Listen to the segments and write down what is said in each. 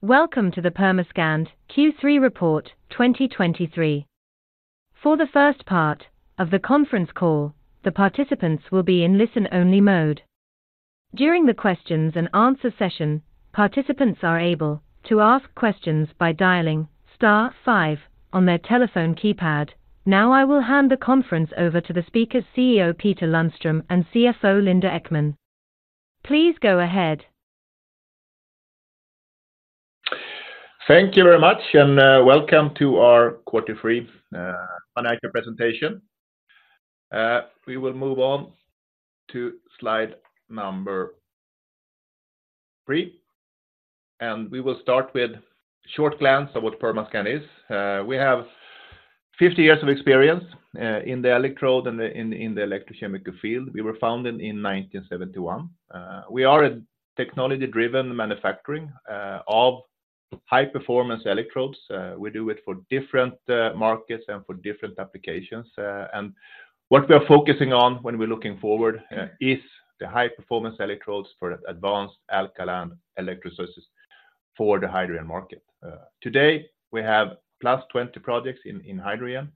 Welcome to the Permascand Q3 report 2023. For the first part of the conference call, the participants will be in listen-only mode. During the questions and answer session, participants are able to ask questions by dialing star five on their telephone keypad. Now, I will hand the conference over to the speakers, CEO Peter Lundström and CFO Linda Ekman. Please go ahead. Thank you very much, and welcome to our quarter three financial presentation. We will move on to slide number three, and we will start with short glance of what Permascand is. We have 50 years of experience in the electrode and the electrochemical field. We were founded in 1971. We are a technology-driven manufacturing of high-performance electrodes. We do it for different markets and for different applications. And what we are focusing on when we're looking forward is the high-performance electrodes for advanced alkaline electrolyzers for the hydrogen market. Today, we have +20 projects in hydrogen.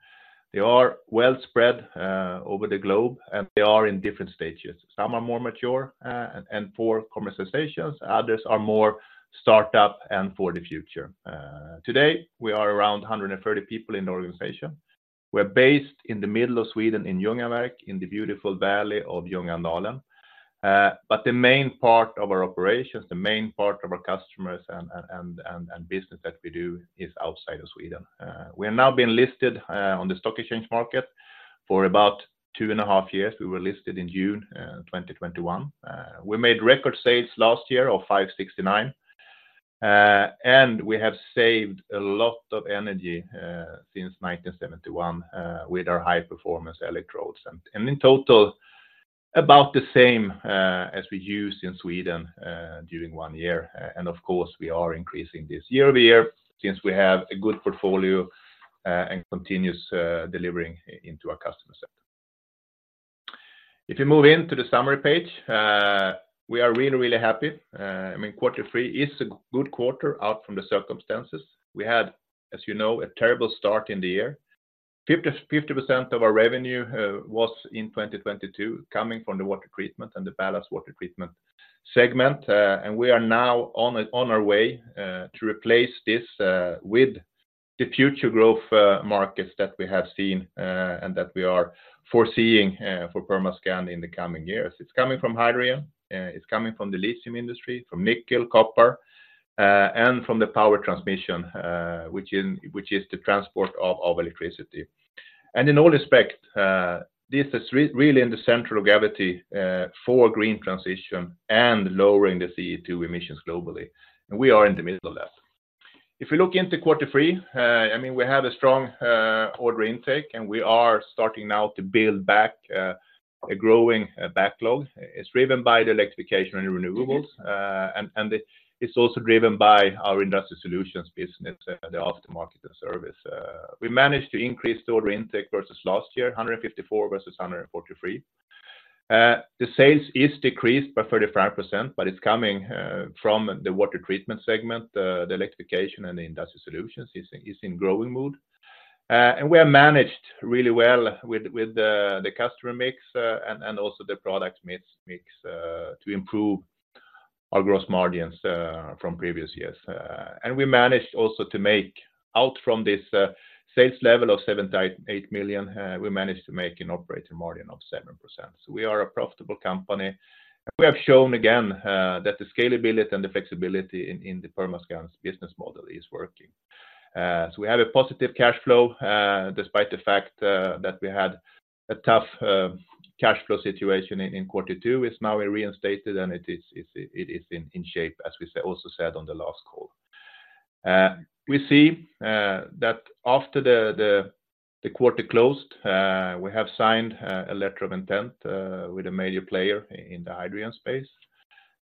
They are well spread over the globe, and they are in different stages. Some are more mature and for commercializations, others are more startup and for the future. Today, we are around 130 people in the organization. We're based in the middle of Sweden, in Ljungaverk, in the beautiful valley of Ljungadalen. But the main part of our operations, the main part of our customers and business that we do is outside of Sweden. We have now been listed on the stock exchange market for about 2.5 years. We were listed in June 2021. We made record sales last year of 569. And we have saved a lot of energy since 1971 with our high-performance electrodes, and in total, about the same as we use in Sweden during one year. Of course, we are increasing year-over-year, since we have a good portfolio and continuous delivering into our customer sector. If you move into the summary page, we are really, really happy. I mean, quarter three is a good quarter out from the circumstances. We had, as you know, a terrible start in the year. 50% of our revenue was in 2022, coming from the water treatment and the ballast water treatment segment. And we are now on our way to replace this with the future growth markets that we have seen and that we are foreseeing for Permascand in the coming years. It's coming from hydrogen, it's coming from the lithium industry, from nickel, copper, and from the power transmission, which is the transport of electricity. And in all respect, this is really in the central gravity for green transition and lowering the CO2 emissions globally. And we are in the middle of that. If you look into quarter three, I mean, we had a strong order intake, and we are starting now to build back a growing backlog. It's driven by the electrification and renewables, and it, it's also driven by our industrial solutions business, the after-market and service. We managed to increase the order intake versus last year, 154 versus 143. The sales is decreased by 35%, but it's coming from the water treatment segment. The electrification and the industrial solutions is in growing mode. And we are managed really well with the customer mix and also the product mix to improve our gross margins from previous years. And we managed also to make out from this sales level of 78 million, we managed to make an operating margin of 7%. So we are a profitable company, and we have shown again that the scalability and the flexibility in the Permascand's business model is working. So we have a positive cash flow despite the fact that we had a tough cash flow situation in quarter two. It's now reinstated, and it is in shape, as we say, also said on the last call. We see that after the quarter closed, we have signed a letter of intent with a major player in the hydrogen space.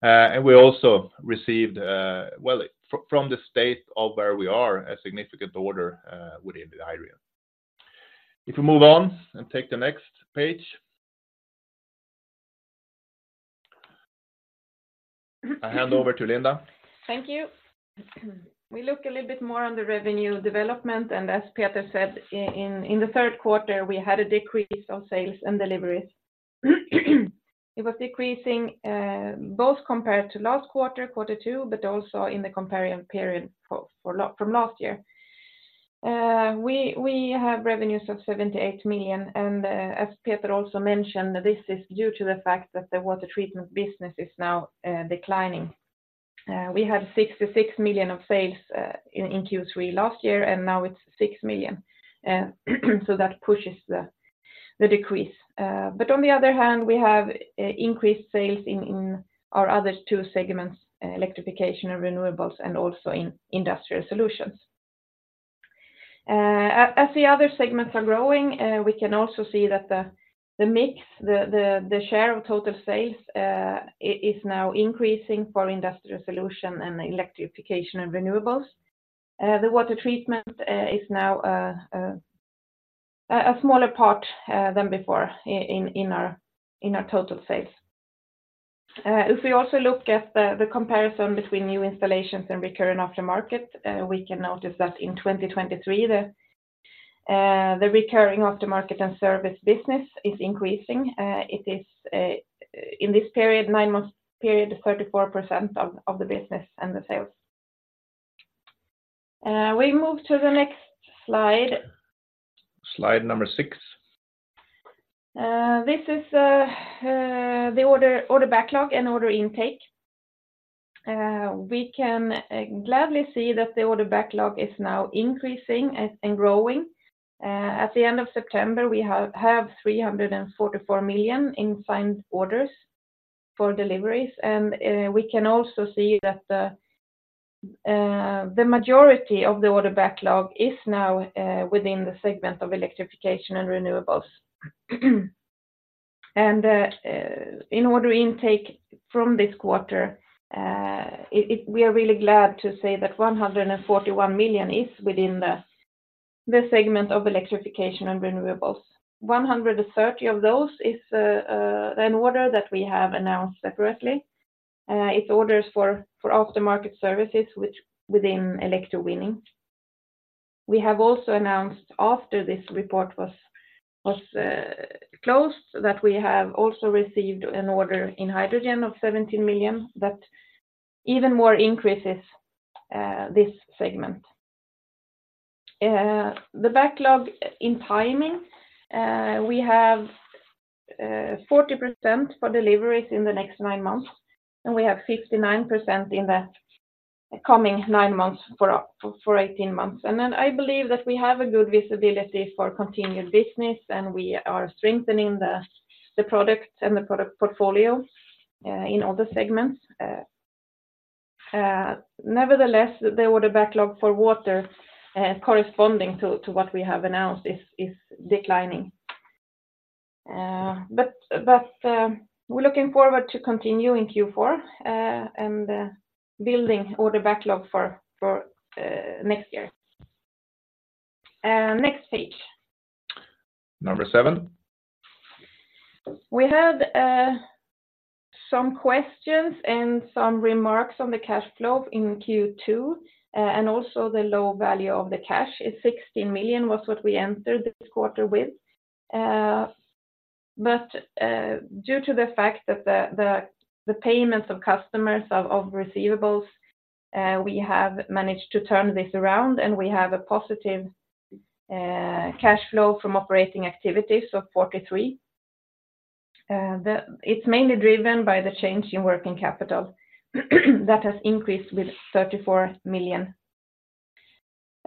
And we also received, well, from the state of where we are, a significant order within the hydrogen. If you move on and take the next page. I hand over to Linda. Thank you. We look a little bit more on the revenue development, and as Peter said, in the third quarter, we had a decrease of sales and deliveries. It was decreasing both compared to last quarter two, but also in the corresponding period from last year. We have revenues of 78 million, and as Peter also mentioned, this is due to the fact that the water treatment business is now declining. We had 66 million of sales in Q3 last year, and now it's 6 million. So that pushes the decrease. But on the other hand, we have increased sales in our other two segments, electrification and renewables, and also in industrial solutions. As the other segments are growing, we can also see that the mix, the share of total sales is now increasing for industrial solution and electrification and renewables. The water treatment is now a smaller part than before in our total sales. If we also look at the comparison between new installations and recurring aftermarket, we can notice that in 2023, the recurring aftermarket and service business is increasing. It is, in this period, nine-month period, 34% of the business and the sales. We move to the next slide. Slide number six. This is the order backlog and order intake. We can gladly see that the order backlog is now increasing and growing. At the end of September, we have 344 million in signed orders for deliveries, and we can also see that the majority of the order backlog is now within the segment of electrification and renewables. And, in order intake from this quarter, it we are really glad to say that 141 million is within the segment of electrification and renewables. 130 of those is an order that we have announced separately. It's orders for aftermarket services, which within electrowinning. We have also announced after this report was closed that we have also received an order in hydrogen of 17 million that even more increases this segment. The backlog in timing, we have 40% for deliveries in the next nine months, and we have 59% in the coming nine months for up, for 18 months. And then, I believe that we have a good visibility for continued business, and we are strengthening the product and the product portfolio in all the segments. Nevertheless, the order backlog for water corresponding to what we have announced is declining. But we're looking forward to continuing Q4 and building order backlog for next year. Next page. Number seven. We had some questions and some remarks on the cash flow in Q2, and also the low value of the cash is 16 million, was what we entered this quarter with. But due to the fact that the payments of customers of receivables, we have managed to turn this around, and we have a positive cash flow from operating activities of 43 million. It's mainly driven by the change in working capital, that has increased with 34 million.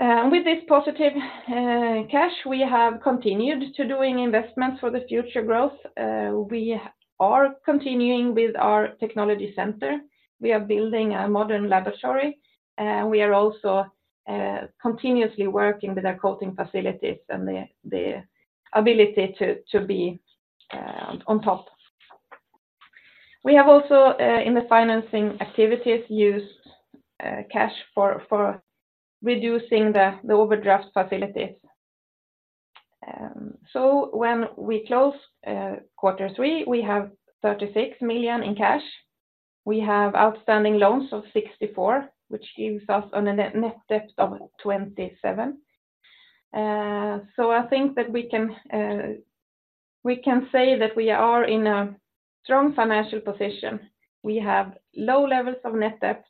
With this positive cash, we have continued to doing investments for the future growth. We are continuing with our technology center. We are building a modern laboratory, we are also continuously working with our coating facilities and the ability to be on top. We have also in the financing activities used cash for reducing the overdraft facilities. So when we close quarter three, we have 36 million in cash. We have outstanding loans of 64, which gives us a net debt of 27. So I think that we can say that we are in a strong financial position. We have low levels of net debt,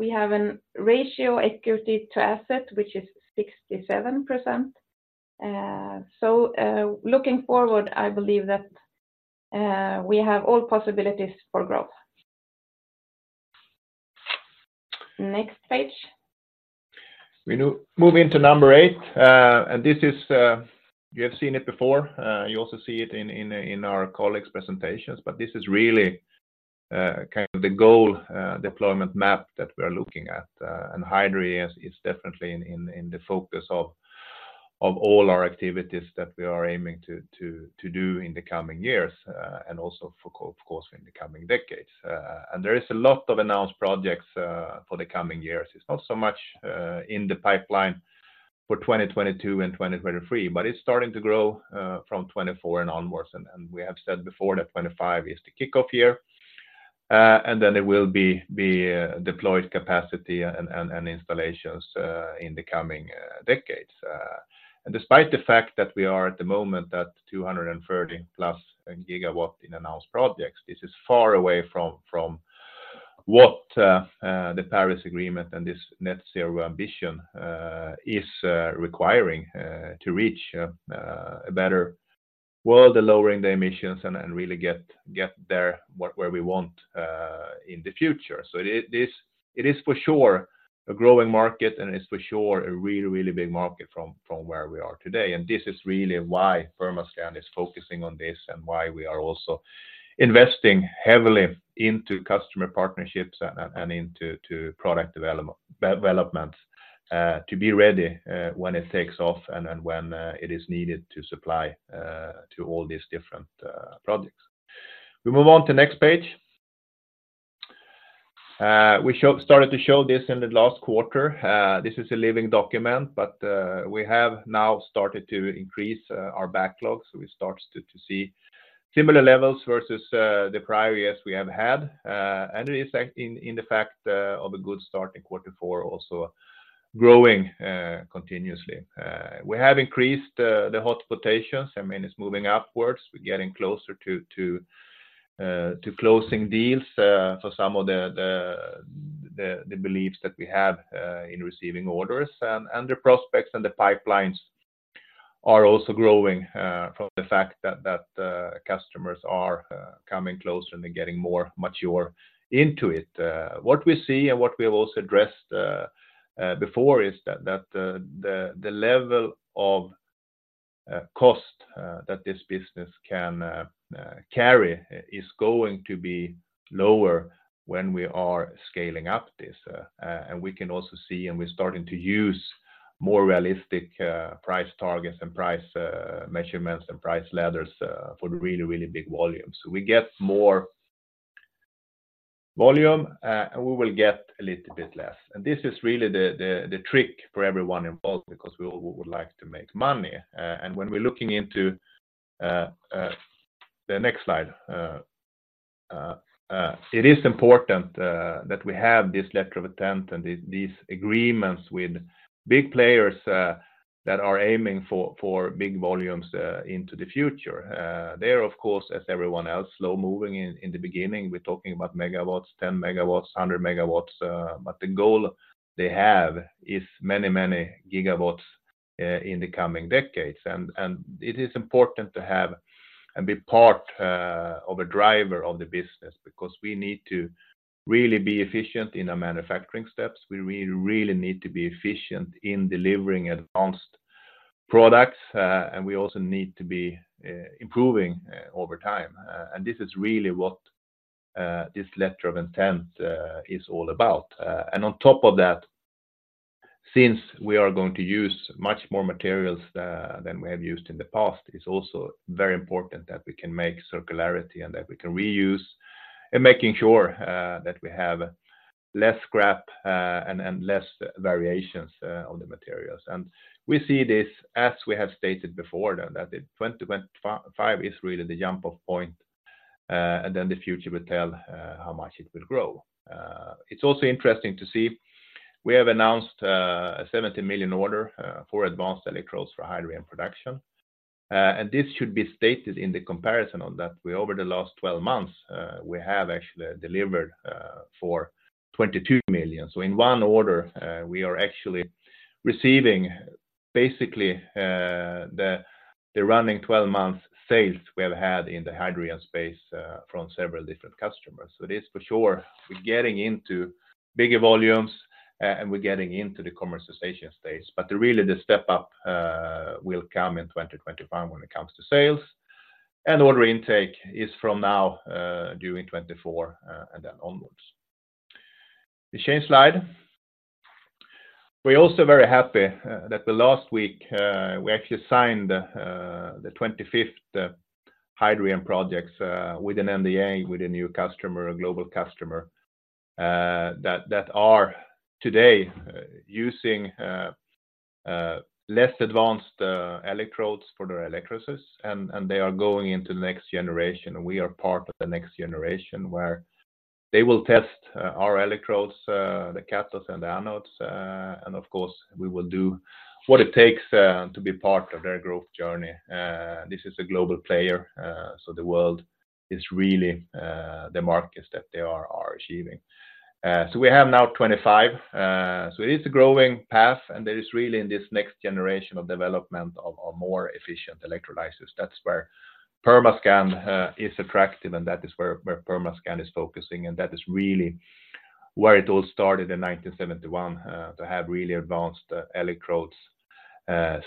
we have a ratio equity to asset, which is 67%. So looking forward, I believe that we have all possibilities for growth. Next page. We now move into number eight, and this is, you have seen it before, you also see it in our colleagues' presentations, but this is really kind of the goal deployment map that we're looking at, and hydrogen is definitely in the focus of all our activities that we are aiming to do in the coming years, and also for, of course, in the coming decades. And there is a lot of announced projects for the coming years. It's not so much in the pipeline for 2022 and 2023, but it's starting to grow from 2024 and onwards. And we have said before that 2025 is the kickoff year. And then it will be deployed capacity and installations in the coming decades. And despite the fact that we are at the moment at 230+ GW in announced projects, this is far away from what the Paris Agreement and this net zero ambition is requiring to reach a better world, the lowering the emissions, and really get there where we want in the future. So it is for sure a growing market, and it's for sure a really, really big market from where we are today. This is really why Permascand is focusing on this and why we are also investing heavily into customer partnerships and into product development, to be ready when it takes off and when it is needed to supply to all these different projects. We move on to the next page. We started to show this in the last quarter. This is a living document, but we have now started to increase our backlogs. We start to see similar levels versus the prior years we have had. And it is, in fact, of a good start in quarter four, also growing continuously. We have increased the hot quotations. I mean, it's moving upwards. We're getting closer to closing deals for some of the beliefs that we have in receiving orders. The prospects and the pipelines are also growing from the fact that customers are coming closer and they're getting more mature into it. What we see and what we have also addressed before is that the level of cost that this business can carry is going to be lower when we are scaling up this. We can also see, and we're starting to use more realistic price targets and price measurements, and price ladders for the really, really big volumes. We get more volume and we will get a little bit less. And this is really the trick for everyone involved, because we all would like to make money. And when we're looking into the next slide, it is important that we have this letter of intent and these agreements with big players that are aiming for big volumes into the future. They're, of course, as everyone else, slow-moving in the beginning. We're talking about megawatts, 10 MW, 100 MW, but the goal they have is many, many gigawatts in the coming decades. And it is important to have and be part of a driver of the business, because we need to really be efficient in our manufacturing steps. We really, really need to be efficient in delivering advanced products, and we also need to be improving over time. And this is really what this letter of intent is all about. And on top of that, since we are going to use much more materials than we have used in the past, it's also very important that we can make circularity and that we can reuse, and making sure that we have less scrap, and less variations on the materials. And we see this, as we have stated before, that the 2025 is really the jump-off point, and then the future will tell how much it will grow. It's also interesting to see, we have announced a 70 million order for advanced electrodes for hydrogen production. And this should be stated in the comparison on that over the last 12 months, we have actually delivered for 22 million. So in one order, we are actually receiving basically the running-12-month sales we have had in the hydrogen space from several different customers. So it is for sure, we're getting into bigger volumes and we're getting into the commercialization stage. But really, the step up will come in 2025 when it comes to sales. And order intake is from now during 2024 and then onwards. You change slide. We're also very happy that the last week we actually signed the 25th hydrogen projects with an NDA with a new customer, a global customer that are today using less advanced electrodes for their electrolysis, and they are going into the next generation. We are part of the next generation, where they will test our electrodes, the cathodes and the anodes, and of course, we will do what it takes to be part of their growth journey. This is a global player, so the world is really the markets that they are achieving. So we have now 25. So it is a growing path, and there is really in this next generation of development of more efficient electrolysis. That's where Permascand is attractive, and that is where Permascand is focusing, and that is really where it all started in 1971 to have really advanced electrodes,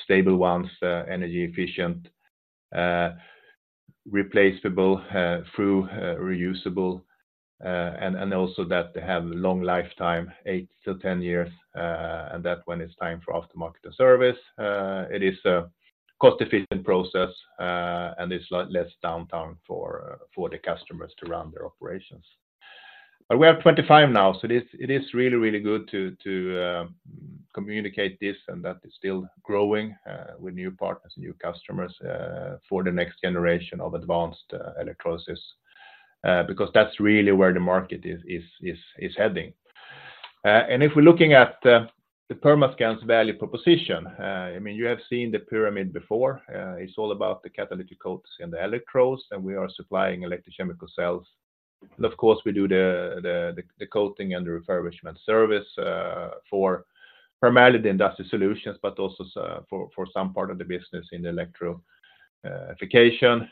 stable ones, energy efficient, replaceable through reusable, and also that they have a long lifetime, 8-10 years, and that when it's time for aftermarket and service, it is a cost-efficient process, and it's less downtime for the customers to run their operations. But we are at 25 now, so it is really, really good to communicate this and that it's still growing with new partners and new customers for the next generation of advanced electrolysis because that's really where the market is heading. And if we're looking at the Permascand's value proposition, I mean, you have seen the pyramid before. It's all about the catalytic coatings and the electrodes, and we are supplying electrochemical cells. And of course, we do the coating and the refurbishment service for primarily the industry solutions, but also for some part of the business in the electrification.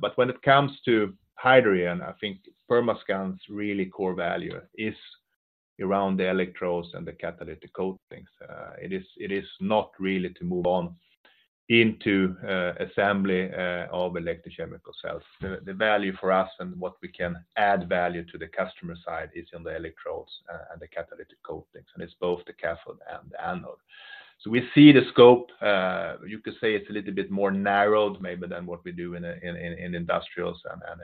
But when it comes to hydrogen, I think Permascand's really core value is around the electrodes and the catalytic coatings. It is not really to move on into assembly of electrochemical cells. The value for us and what we can add value to the customer side is on the electrodes and the catalytic coatings, and it's both the cathode and the anode. So we see the scope, you could say it's a little bit more narrowed maybe than what we do in industrials and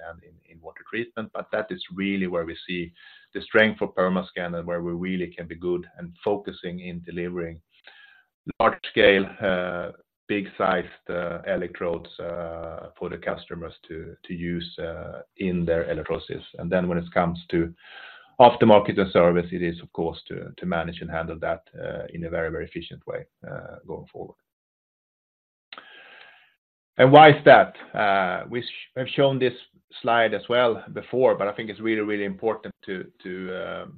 in water treatment. But that is really where we see the strength for Permascand and where we really can be good and focusing in delivering large scale big-sized electrodes for the customers to use in their electrolysis. And then when it comes to aftermarket and service, it is, of course, to manage and handle that in a very, very efficient way going forward. And why is that? We've shown this slide as well before, but I think it's really, really important to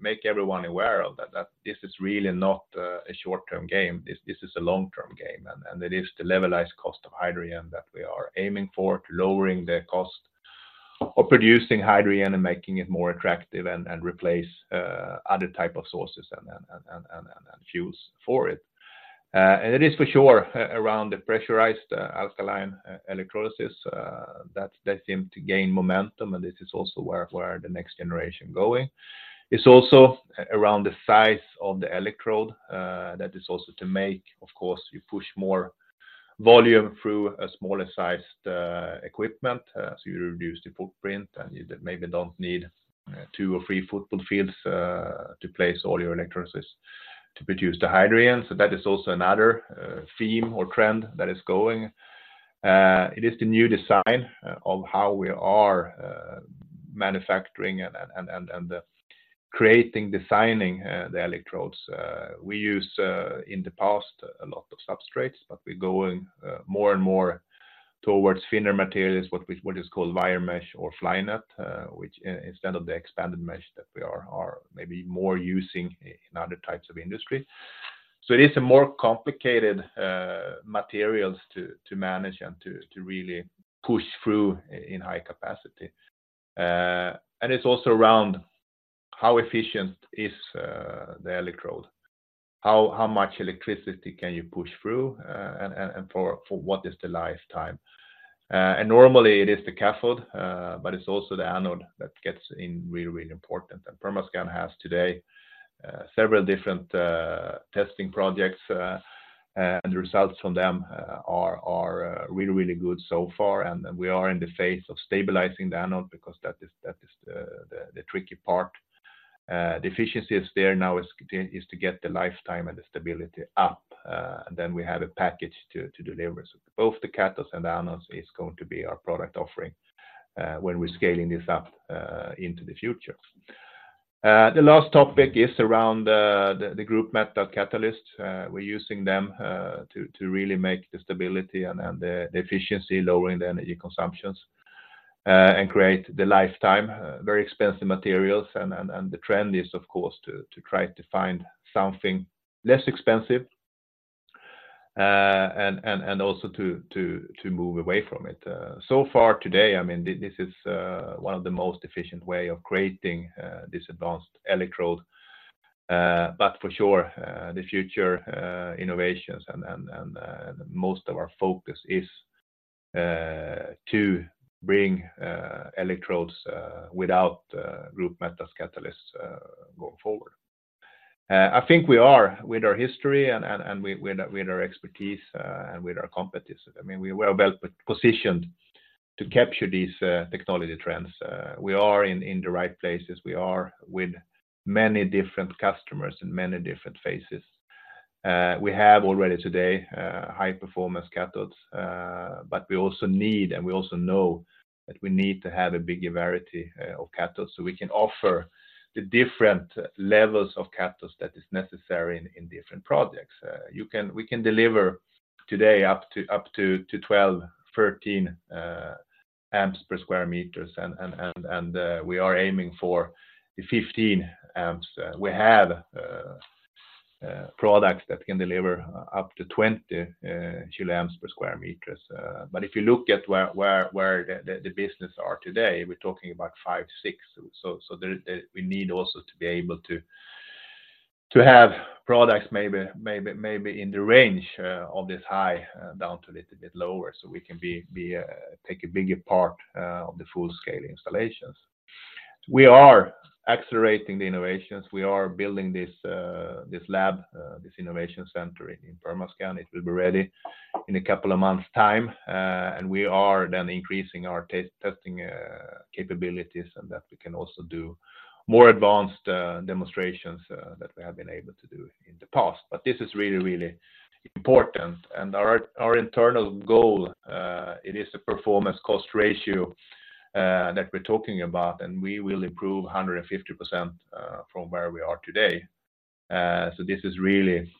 make everyone aware of that, that this is really not a short-term game. This is a long-term game, and it is the levelized cost of hydrogen that we are aiming for, to lowering the cost of producing hydrogen and making it more attractive and replace other type of sources and fuels for it. And it is for sure around the pressurized alkaline electrolysis that seem to gain momentum, and this is also where the next generation going. It's also around the size of the electrode that is also to make, of course, you push more volume through a smaller sized equipment, so you reduce the footprint, and you maybe don't need two or three football fields to place all your electrolysis to produce the hydrogen. So that is also another theme or trend that is going. It is the new design of how we are manufacturing and creating, designing the electrodes. We use in the past a lot of substrates, but we're going more and more towards thinner materials, what is called wire mesh or fly net, which instead of the expanded mesh that we are maybe more using in other types of industries. So it is a more complicated materials to manage and to really push through in high capacity. And it's also around how efficient is the electrode? How much electricity can you push through, and for what is the lifetime? And normally it is the cathode, but it's also the anode that gets in really, really important. Permascand has today several different testing projects, and the results from them are really, really good so far. We are in the phase of stabilizing the anode because that is the tricky part. The efficiency is there now, to get the lifetime and the stability up, and then we have a package to deliver. So both the cathodes and anodes is going to be our product offering when we're scaling this up into the future. The last topic is around the platinum group metal catalysts. We're using them to really make the stability and the efficiency, lowering the energy consumptions, and create the lifetime, very expensive materials. The trend is, of course, to try to find something less expensive, and also to move away from it. So far today, I mean, this is one of the most efficient way of creating this advanced electrode. But for sure, the future innovations and most of our focus is to bring electrodes without group metals catalysts going forward. I think we are with our history and with our expertise and with our competitive. I mean, we are well positioned to capture these technology trends. We are in the right places. We are with many different customers in many different phases. We have already today high-performance cathodes, but we also need, and we also know that we need to have a bigger variety of cathodes, so we can offer the different levels of cathodes that is necessary in different projects. We can deliver today up to 12-13 amps per square meters, and we are aiming for the 15 amps. We have products that can deliver up to 20 kilo amps per square meters. But if you look at where the business are today, we're talking about 5-6. So there we need also to be able to have products maybe in the range of this high down to a little bit lower, so we can take a bigger part of the full-scale installations. We are accelerating the innovations. We are building this lab, this innovation center in Permascand. It will be ready in a couple of months' time, and we are then increasing our testing capabilities and that we can also do more advanced demonstrations that we have been able to do in the past. But this is really, really important. Our internal goal, it is a performance cost ratio that we're talking about, and we will improve 150% from where we are today. So this is really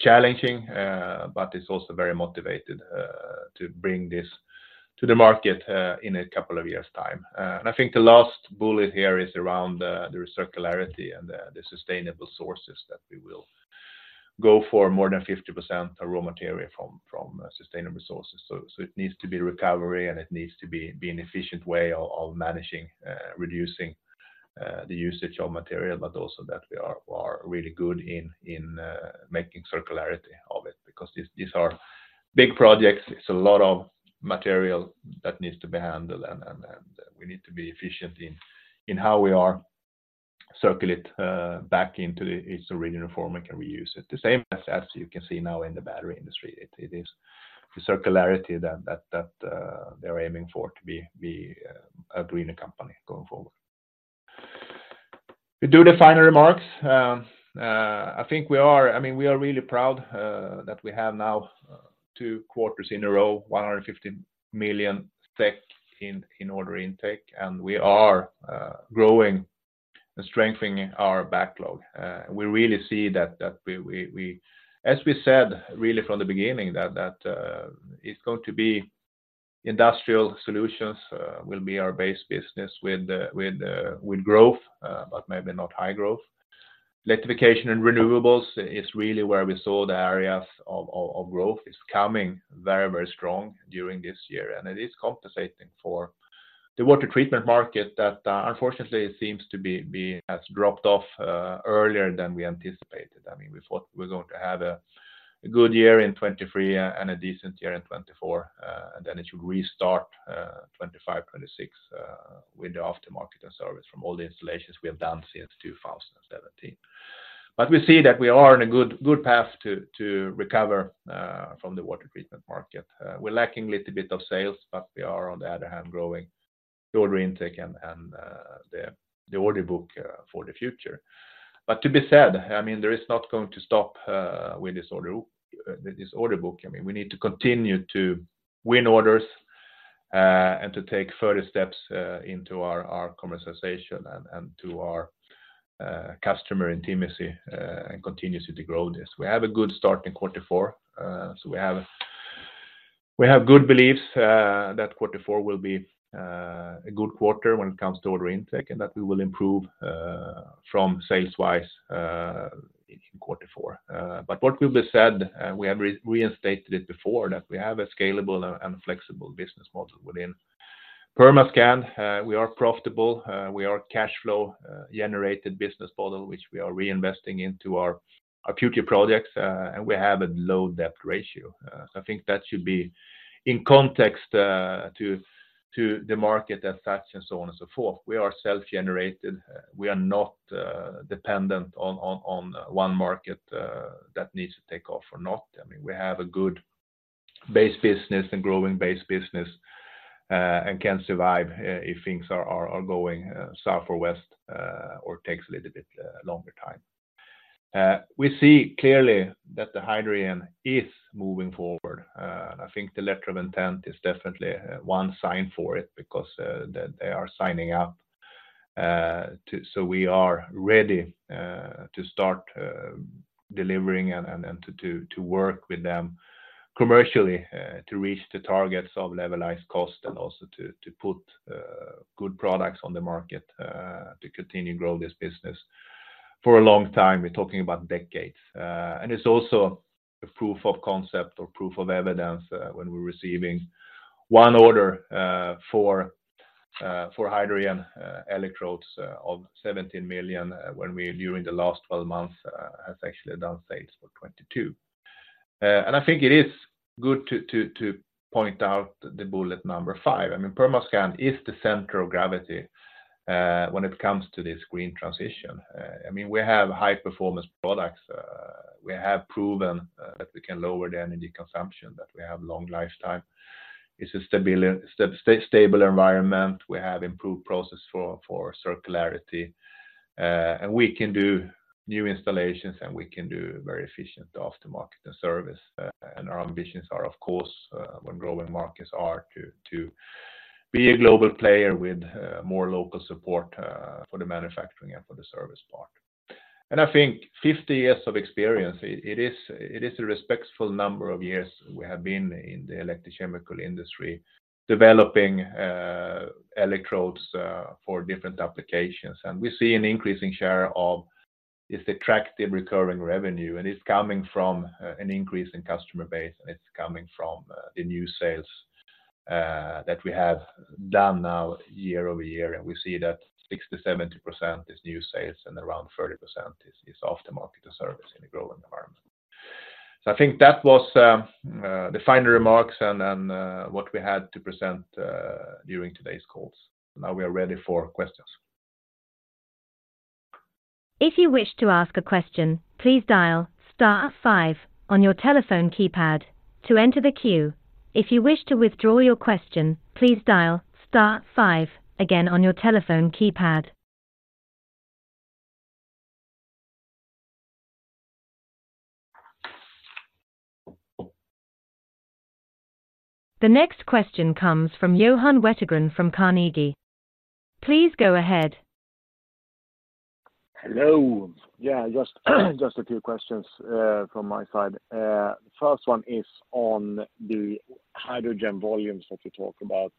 challenging, but it's also very motivated to bring this to the market in a couple of years' time. And I think the last bullet here is around the circularity and the sustainable sources that we will go for more than 50% raw material from sustainable sources. So it needs to be recovery, and it needs to be an efficient way of managing, reducing the usage of material, but also that we are really good in making circularity of it, because these are big projects. It's a lot of material that needs to be handled, and we need to be efficient in how we are circling it back into its original form and can reuse it. The same as, as you can see now in the battery industry, it is the circularity that they're aiming for to be a greener company going forward. We do the final remarks. I think we are-- I mean, we are really proud that we have now two quarters in a row, 150 million in order intake, and we are growing and strengthening our backlog. We really see that we-- as we said, really from the beginning, that it's going to be industrial solutions will be our base business with the, with growth, but maybe not high growth. Electrification and renewables is really where we saw the areas of growth. It's coming very, very strong during this year, and it is compensating for the water treatment market that, unfortunately, seems to be, has dropped off, earlier than we anticipated. I mean, we thought we were going to have a good year in 2023 and a decent year in 2024, and then it should restart, 2025, 2026, with the aftermarket and service from all the installations we have done since 2017. But we see that we are on a good, good path to recover, from the water treatment market. We're lacking a little bit of sales, but we are, on the other hand, growing the order intake and the order book for the future. But to be said, I mean, there is not going to stop with this order book. I mean, we need to continue to win orders and to take further steps into our commercialization and to our customer intimacy and continuously to grow this. We have a good start in quarter four, so we have good beliefs that quarter four will be a good quarter when it comes to order intake, and that we will improve from sales-wise in quarter four. But what will be said, we have reinstated it before, that we have a scalable and flexible business model within Permascand. We are profitable, we are cash flow generated business model, which we are reinvesting into our future projects, and we have a low debt ratio. So I think that should be in context to the market as such, and so on and so forth. We are self-generated. We are not dependent on one market that needs to take off or not. I mean, we have a good base business and growing base business, and can survive if things are going south or west, or takes a little bit longer time. We see clearly that the hydrogen is moving forward, and I think the letter of intent is definitely one sign for it because they are signing up. So we are ready to start delivering and to work with them commercially to reach the targets of levelized cost and also to put good products on the market to continue to grow this business for a long time. We're talking about decades. And it's also a proof of concept or proof of evidence when we're receiving one order for hydrogen electrodes of 17 million when we during the last 12 months has actually done sales for 22 million. And I think it is good to point out the bullet number five. I mean, Permascand is the center of gravity when it comes to this green transition. I mean, we have high-performance products. We have proven that we can lower the energy consumption, that we have long lifetime. It's a stable environment. We have improved process for circularity, and we can do new installations, and we can do very efficient aftermarket and service. And our ambitions are, of course, when growing markets are to be a global player with more local support for the manufacturing and for the service part. And I think 50 years of experience, it is a respectful number of years we have been in the electrochemical industry, developing electrodes for different applications. And we see an increasing share of this attractive recurring revenue, and it's coming from an increase in customer base, and it's coming from the new sales that we have done now year over year. We see that 60%-70% is new sales and around 30% is aftermarket to service in a growing environment. I think that was the final remarks and then what we had to present during today's calls. Now we are ready for questions. If you wish to ask a question, please dial star five on your telephone keypad to enter the queue. If you wish to withdraw your question, please dial star five again on your telephone keypad. The next question comes from Johan Wettergren from Carnegie. Please go ahead. Hello. Yeah, just a few questions from my side. First one is on the hydrogen volumes that you talked about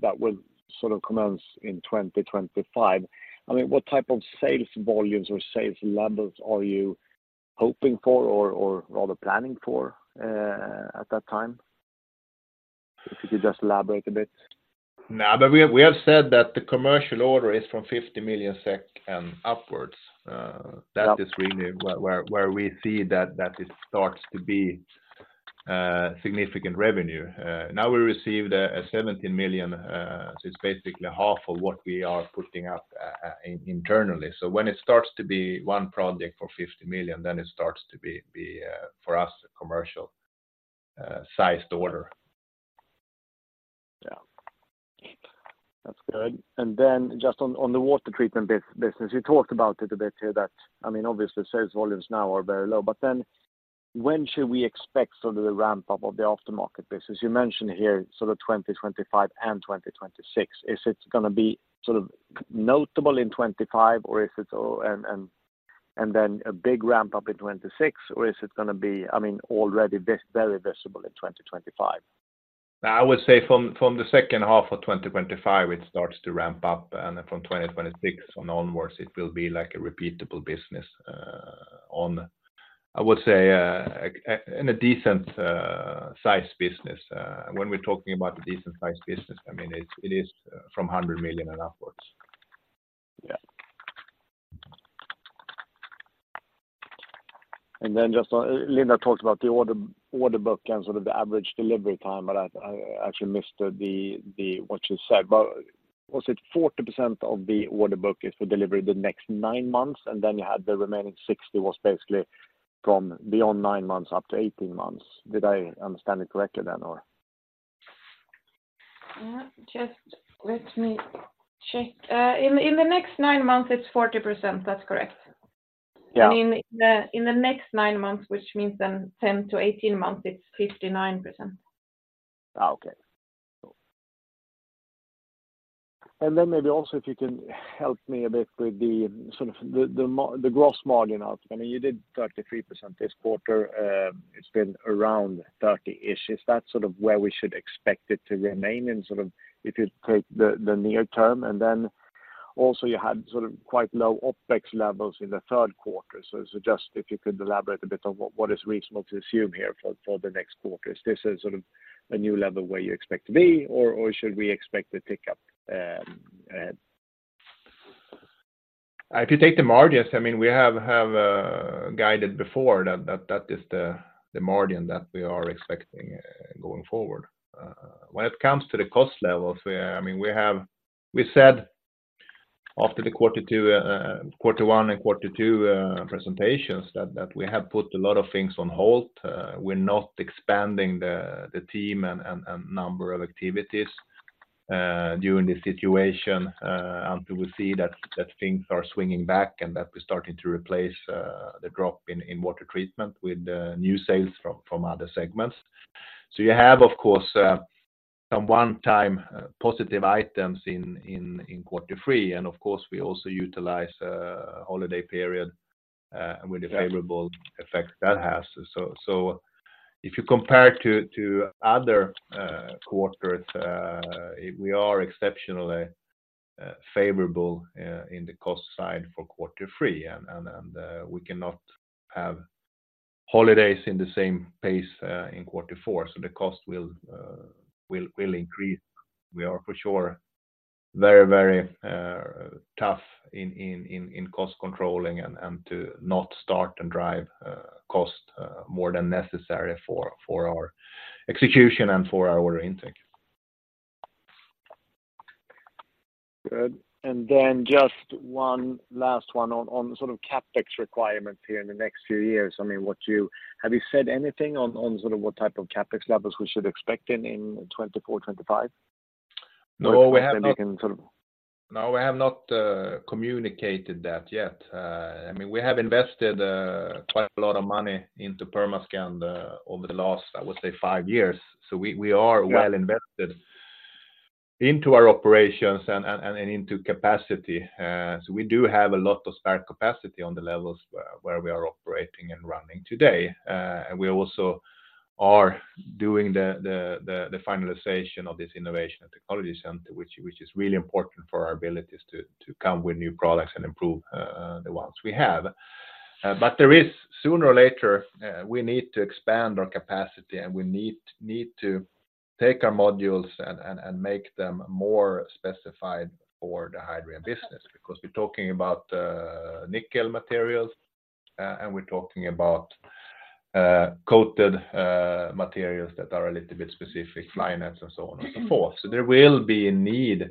that will sort of commence in 2025. I mean, what type of sales volumes or sales levels are you hoping for or rather planning for at that time? If you could just elaborate a bit. Now, but we have said that the commercial order is from 50 million SEK and upwards. That- Yeah... is really where we see that it starts to be significant revenue. Now we received a 17 million, so it's basically half of what we are putting out internally. So when it starts to be one project for 50 million, then it starts to be for us a commercial sized order. Yeah. That's good. And then just on the water treatment business, you talked about it a bit here that, I mean, obviously, sales volumes now are very low, but then when should we expect sort of the ramp-up of the aftermarket business? You mentioned here sort of 2025 and 2026. Is it gonna be sort of notable in 2025, or is it all and then a big ramp-up in 2026, or is it gonna be, I mean, already very visible in 2025? I would say from the second half of 2025, it starts to ramp up, and then from 2026 onwards, it will be like a repeatable business. I would say in a decent size business. When we're talking about a decent size business, I mean, it is from 100 million and upwards. Yeah. And then just on, Linda talked about the order book and sort of the average delivery time, but I actually missed what you said. But was it 40% of the order book is for delivery the next nine months, and then you had the remaining 60 was basically from beyond nine months up to 18 months? Did I understand it correctly then, or? Yeah, just let me check. In the next nine months, it's 40%. That's correct. Yeah. I mean, in the next nine months, which means then 10-18 months, it's 59%. Okay. Cool. And then maybe also, if you can help me a bit with sort of the gross margin out. I mean, you did 33% this quarter. It's been around 30-ish. Is that sort of where we should expect it to remain in sort of if you take the near term? And then also you had sort of quite low OpEx levels in the third quarter. So just if you could elaborate a bit on what is reasonable to assume here for the next quarters. This is sort of a new level where you expect to be, or should we expect to pick up? If you take the margins, I mean, we have guided before that that is the margin that we are expecting going forward. When it comes to the cost levels, we are—I mean, we have—we said after the quarter two, quarter one and quarter two presentations that we have put a lot of things on hold. We're not expanding the team and number of activities during this situation until we see that things are swinging back and that we're starting to replace the drop in water treatment with new sales from other segments. So you have, of course, some one-time positive items in quarter three, and of course, we also utilize holiday period with the favorable effect that has. So if you compare to other quarters, we are exceptionally favorable in the cost side for quarter three, and we cannot have holidays in the same pace in quarter four, so the cost will increase. We are for sure very tough in cost controlling and to not start and drive cost more than necessary for our execution and for our order intake. Good. And then just one last one on sort of CapEx requirements here in the next few years. I mean, what have you said anything on sort of what type of CapEx levels we should expect in 2024, 2025? No, we have not- Or maybe we can sort of- No, we have not communicated that yet. I mean, we have invested quite a lot of money into Permascand over the last, I would say, five years. So we, we are- Yeah... well invested into our operations and into capacity. So we do have a lot of spare capacity on the levels where we are operating and running today. And we also are doing the finalization of this innovation and technology center, which is really important for our abilities to come with new products and improve the ones we have. But there is, sooner or later, we need to expand our capacity, and we need to take our modules and make them more specified for the hydrogen business, because we're talking about nickel materials, and we're talking about coated materials that are a little bit specific, line items, and so on and so forth. So there will be a need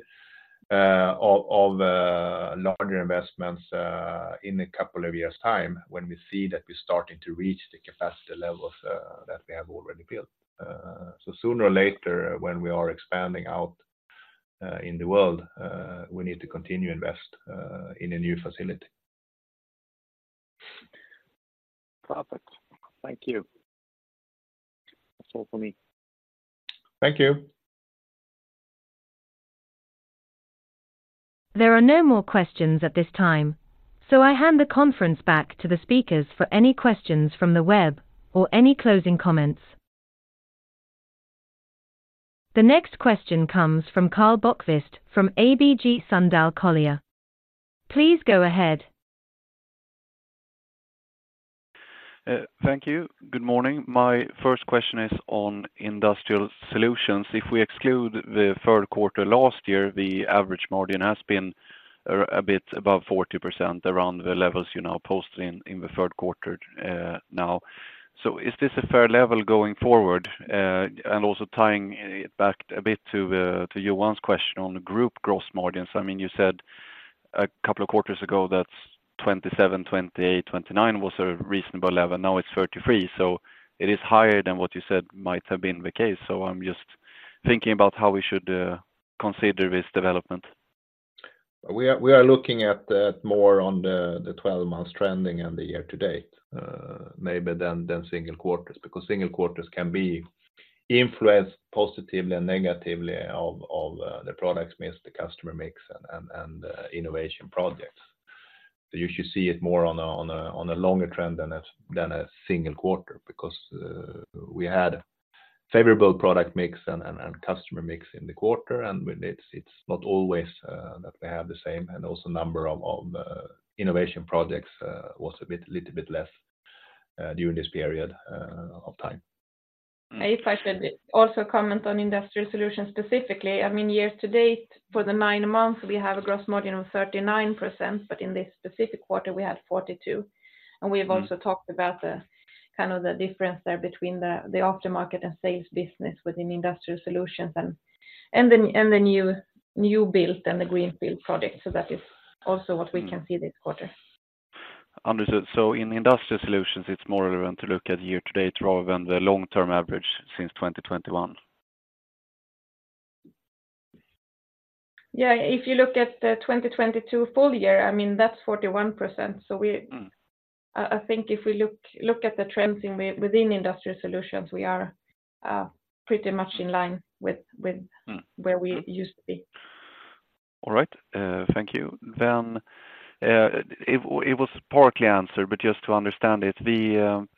of larger investments in a couple of years' time, when we see that we're starting to reach the capacity levels that we have already built. So sooner or later, when we are expanding out in the world, we need to continue to invest in a new facility. Perfect. Thank you. That's all for me. Thank you. There are no more questions at this time, so I hand the conference back to the speakers for any questions from the web or any closing comments. The next question comes from Karl Bokvist from ABG Sundal Collier. Please go ahead. Thank you. Good morning. My first question is on industrial solutions. If we exclude the third quarter last year, the average margin has been a bit above 40%, around the levels you now posted in the third quarter now. Is this a fair level going forward? And also tying it back a bit to Johan's question on the group gross margins. I mean, you said a couple of quarters ago that 27, 28, 29 was a reasonable level, now it's 33. So it is higher than what you said might have been the case. I'm just thinking about how we should consider this development. We are looking at more on the 12 months trending and the year to date, maybe than single quarters, because single quarters can be influenced positively and negatively of the products mix, the customer mix, and innovation projects. So you should see it more on a longer trend than a single quarter, because we had favorable product mix and customer mix in the quarter, and it's not always that we have the same, and also number of innovation projects was a little bit less during this period of time. If I could also comment on industrial solutions specifically, I mean, year to date, for the nine months, we have a gross margin of 39%, but in this specific quarter, we had 42%. Mm. And we have also talked about the kind of difference there between the aftermarket and sales business within industrial solutions and the new build and the greenfield project. So that is also what we can see this quarter. Understood. So in industrial solutions, it's more relevant to look at year to date rather than the long-term average since 2021? Yeah. If you look at the 2022 full year, I mean, that's 41%. So we- Mm. I think if we look at the trends within industrial solutions, we are pretty much in line with. Mm where we used to be. All right, thank you. Then, it was partly answered, but just to understand it, the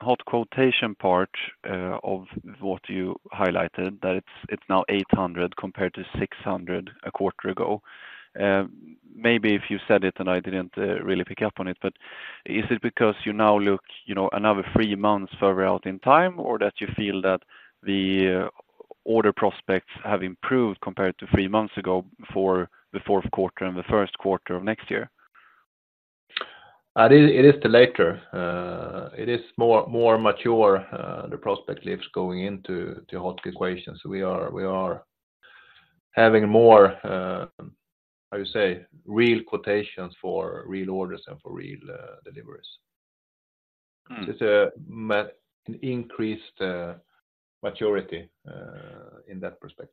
hot quotation part of what you highlighted, that it's now 800 compared to 600 a quarter ago. Maybe if you said it, and I didn't really pick up on it, but is it because you now look, you know, another three months further out in time, or that you feel that the order prospects have improved compared to three months ago for the fourth quarter and the first quarter of next year? It is the latter. It is more mature, the prospect lives going into hot quotations. We are having more, how you say, real quotations for real orders and for real deliveries. Mm. It's an increased maturity in that respect.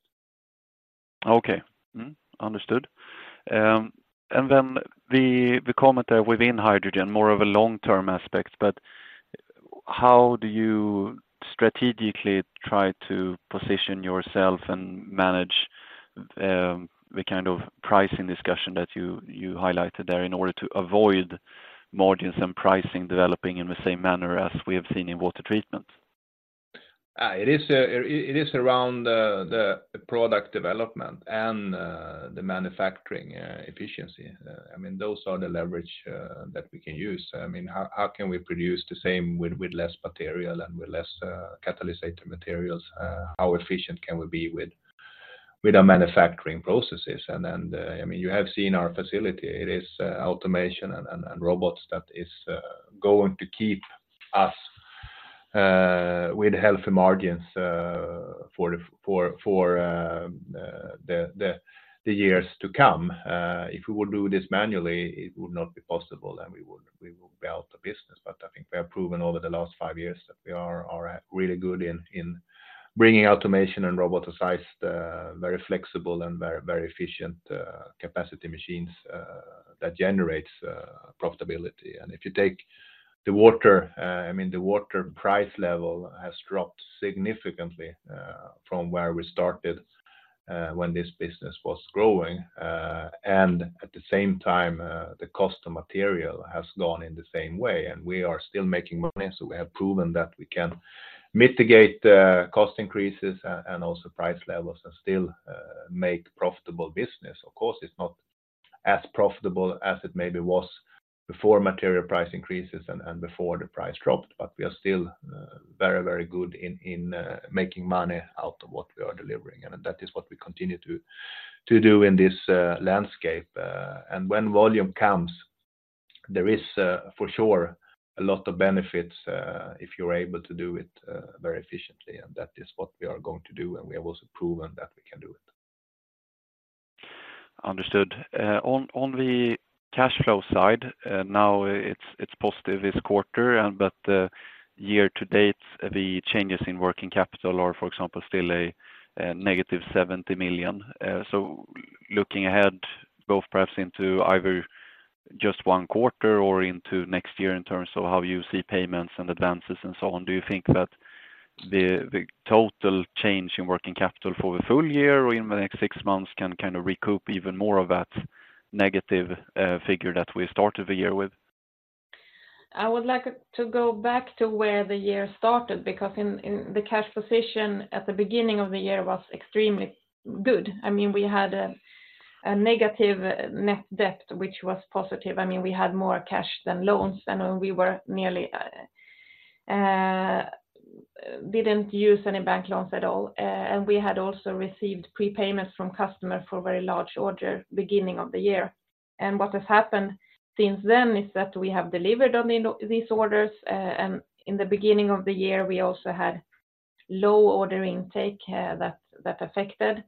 Okay. Understood. And then the comment there within hydrogen, more of a long-term aspect, but how do you strategically try to position yourself and manage the kind of pricing discussion that you highlighted there in order to avoid margins and pricing developing in the same manner as we have seen in water treatment? It is around the product development and the manufacturing efficiency. I mean, those are the leverage that we can use. I mean, how can we produce the same with less material and with less catalyst materials? How efficient can we be with our manufacturing processes? And then, I mean, you have seen our facility. It is automation and robots that is going to keep us with healthy margins for the years to come. If we would do this manually, it would not be possible, and we would be out of business. But I think we have proven over the last five years that we are really good in bringing automation and roboticized very flexible and very efficient capacity machines that generates profitability. And if you take the water, I mean, the water price level has dropped significantly from where we started when this business was growing. And at the same time, the cost of material has gone in the same way, and we are still making money. So we have proven that we can mitigate cost increases and also price levels and still make profitable business. Of course, it's not as profitable as it maybe was before material price increases and before the price dropped, but we are still very, very good in making money out of what we are delivering, and that is what we continue to do in this landscape. And when volume comes, there is for sure a lot of benefits if you're able to do it very efficiently, and that is what we are going to do, and we have also proven that we can do it. Understood. On the cash flow side, now it's positive this quarter, but the year to date, the changes in working capital are, for example, still a negative 70 million. So looking ahead, both perhaps into either just one quarter or into next year in terms of how you see payments and advances and so on, do you think that the total change in working capital for the full year or in the next six months can kind of recoup even more of that negative figure that we started the year with? I would like to go back to where the year started, because in the cash position at the beginning of the year was extremely good. I mean, we had a negative net debt, which was positive. I mean, we had more cash than loans, and we were nearly didn't use any bank loans at all, and we had also received prepayments from customer for a very large order beginning of the year. And what has happened since then is that we have delivered on these orders, and in the beginning of the year, we also had low order intake that affected.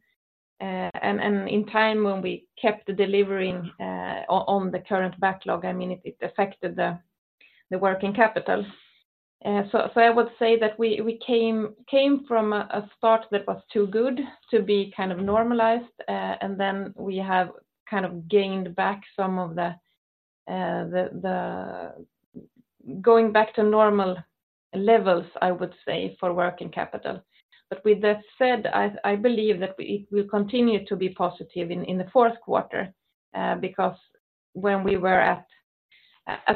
And in time, when we kept delivering on the current backlog, I mean, it affected the working capital. So I would say that we came from a start that was too good to be kind of normalized, and then we have kind of gained back some of the, the going back to normal levels, I would say, for working capital. But with that said, I believe that we - it will continue to be positive in the fourth quarter, because when we were at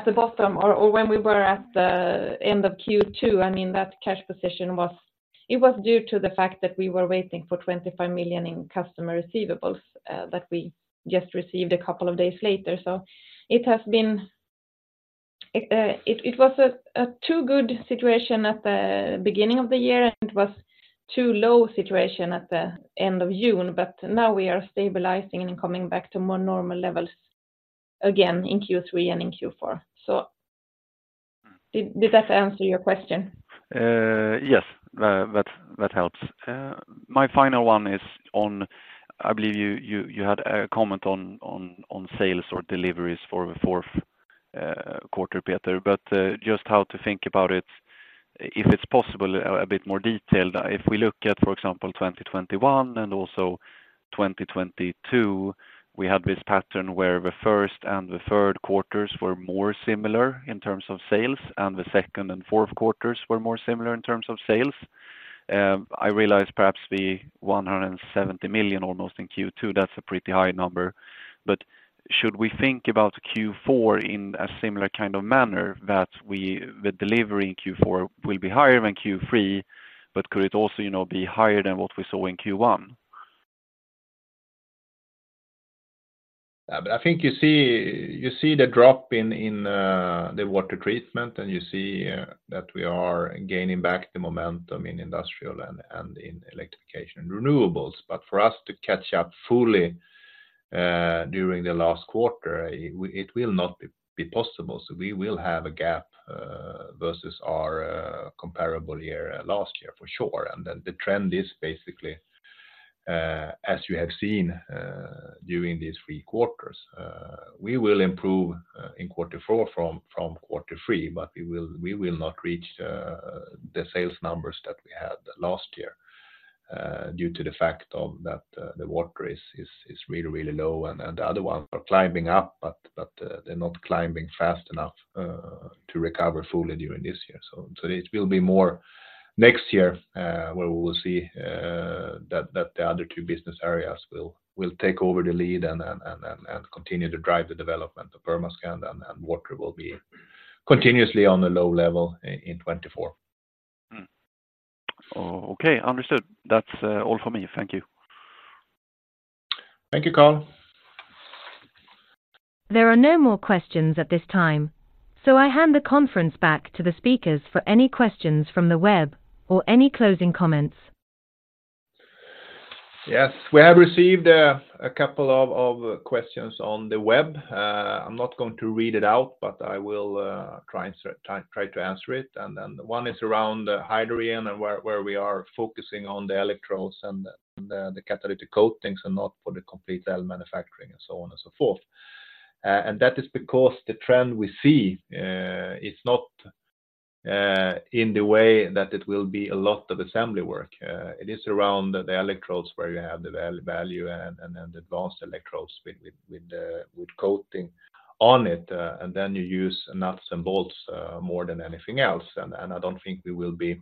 the bottom or when we were at the end of Q2, I mean, that cash position was... It was due to the fact that we were waiting for 25 million in customer receivables, that we just received a couple of days later. So it has been a too-good situation at the beginning of the year, and it was too low situation at the end of June. But now we are stabilizing and coming back to more normal levels again in Q3 and in Q4. So did that answer your question? Yes, that helps. My final one is on, I believe you had a comment on sales or deliveries for the fourth quarter, Peter, but just how to think about it, if it's possible, a bit more detailed. If we look at, for example, 2021 and also 2022, we had this pattern where the first and the third quarters were more similar in terms of sales, and the second and fourth quarters were more similar in terms of sales. I realize perhaps the almost 170 million in Q2, that's a pretty high number. But should we think about Q4 in a similar kind of manner, that the delivery in Q4 will be higher than Q3, but could it also, you know, be higher than what we saw in Q1? But I think you see, you see the drop in the water treatment, and you see that we are gaining back the momentum in industrial and in electrification and renewables. But for us to catch up fully during the last quarter, it will not be possible. So we will have a gap versus our comparable year last year, for sure. The trend is basically, as you have seen, during these three quarters, we will improve in quarter four from quarter three, but we will not reach the sales numbers that we had last year, due to the fact that the water is really low, and the other ones are climbing up, but they're not climbing fast enough to recover fully during this year. So it will be more next year, where we will see that the other two business areas will take over the lead and continue to drive the development of Permascand, and water will be continuously on a low level in 2024. Oh, okay. Understood. That's all for me. Thank you. Thank you, Carl. There are no more questions at this time, so I hand the conference back to the speakers for any questions from the web or any closing comments. Yes, we have received a couple of questions on the web. I'm not going to read it out, but I will try to answer it. And then one is around the hydrogen and where we are focusing on the electrodes and the catalytic coatings and not for the complete cell manufacturing and so on and so forth. And that is because the trend we see is not in the way that it will be a lot of assembly work. It is around the electrodes where you have the value and the advanced electrodes with the coating on it, and then you use nuts and bolts more than anything else. And I don't think we will be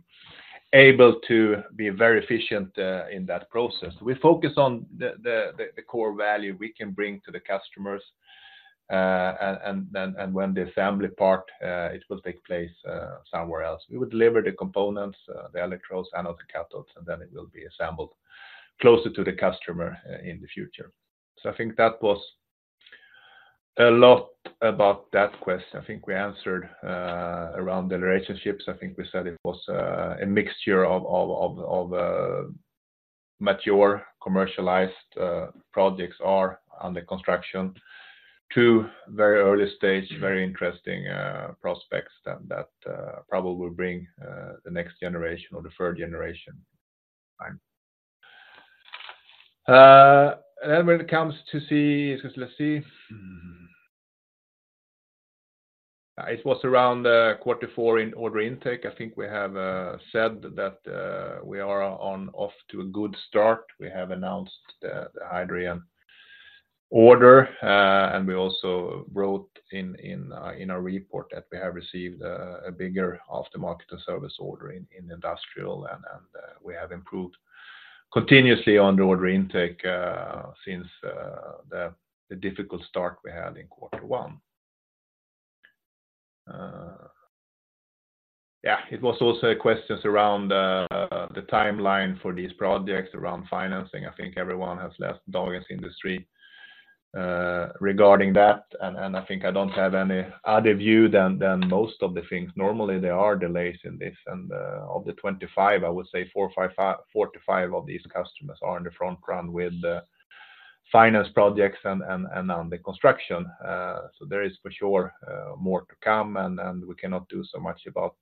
able to be very efficient in that process. We focus on the core value we can bring to the customers, and then when the assembly part it will take place somewhere else. We would deliver the components, the electrodes and other cathodes, and then it will be assembled closer to the customer, in the future. So I think that was a lot about that question. I think we answered around the relationships. I think we said it was a mixture of mature, commercialized projects are under construction to very early stage, very interesting prospects that probably will bring the next generation or the third generation time. And then when it comes to see, let's see. Hmm. It was around quarter four in order intake. I think we have said that we are off to a good start. We have announced the Hydrogen order, and we also wrote in our report that we have received a bigger aftermarket and service order in industrial, and we have improved continuously on the order intake since the difficult start we had in quarter one. Yeah, it was also questions around the timeline for these projects around financing. I think everyone has asked DONG Industry regarding that, and I think I don't have any other view than most of the things. Normally, there are delays in this, and of the 25, I would say four to five of these customers are on the front run with the finance projects and on the construction. So there is for sure more to come, and we cannot do so much about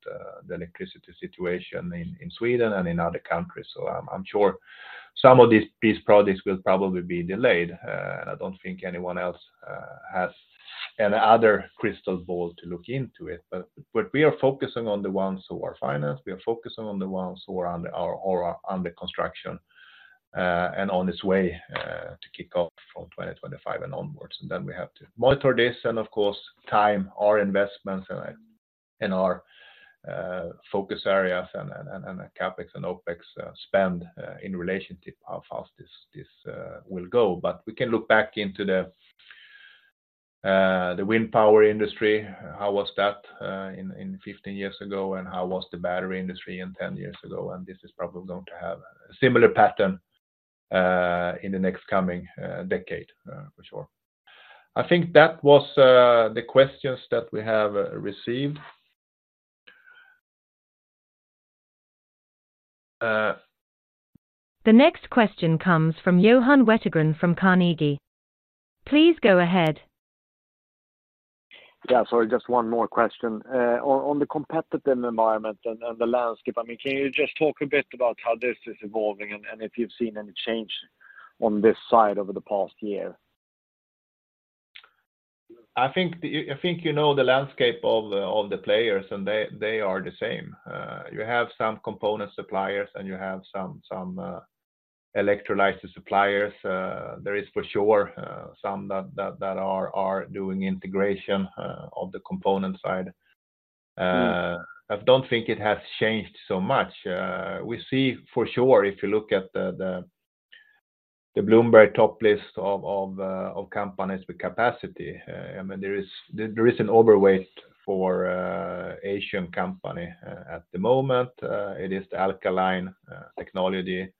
the electricity situation in Sweden and in other countries. So I'm sure some of these projects will probably be delayed. And I don't think anyone else has any other crystal ball to look into it. But what we are focusing on the ones who are financed, we are focusing on the ones who are under or are under construction, and on its way to kick off from 2025 and onwards. And then we have to monitor this and, of course, time our investments and our focus areas and CapEx and OpEx spend in relationship how fast this will go. But we can look back into the wind power industry. How was that in 15 years ago? How was the battery industry in 10 years ago? This is probably going to have a similar pattern in the next coming decade for sure. I think that was the questions that we have received. The next question comes from Johan Wettergren from Carnegie. Please go ahead. Yeah, sorry, just one more question. On the competitive environment and the landscape, I mean, can you just talk a bit about how this is evolving and if you've seen any change on this side over the past year? I think, I think you know the landscape of the players, and they are the same. You have some component suppliers, and you have some electrolyzer suppliers. There is for sure some that are doing integration on the component side. Mm. I don't think it has changed so much. We see for sure, if you look at the Bloomberg top list of companies with capacity, I mean, there is an overweight for Asian company. At the moment, it is the alkaline technology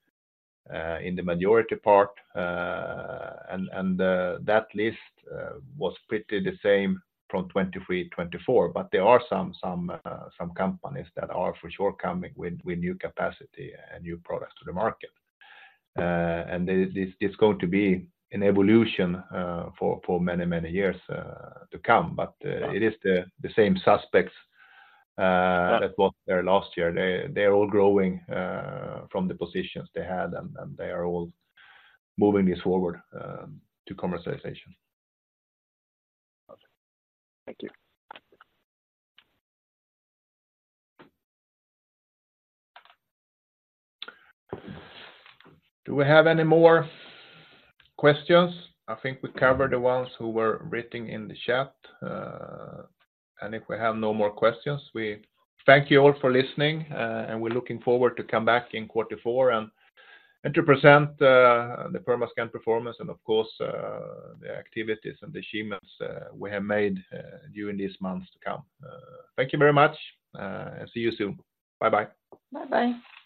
in the majority part. And that list was pretty the same from 2023 to 2024, but there are some companies that are for sure coming with new capacity and new products to the market. And it's going to be an evolution for many years to come. But Yeah... it is the same suspects. Yeah... that was there last year. They, they are all growing from the positions they had, and, and they are all moving this forward to commercialization. Okay. Thank you. Do we have any more questions? I think we covered the ones who were writing in the chat. If we have no more questions, we thank you all for listening, and we're looking forward to come back in quarter four and to present the Permascand performance and of course the activities and achievements we have made during these months to come. Thank you very much, and see you soon. Bye-bye. Bye-bye.